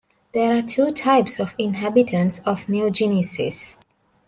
There are two types of inhabitants of New Genesis.